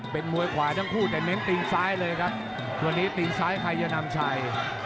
เป็นมวยขวาทั้งคู่แต่เน้นตีนซ้ายเลยครับวันนี้ตีนซ้ายใครจะนำชัย